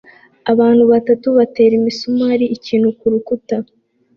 abantu batatu batera imisumari ikintu kurukuta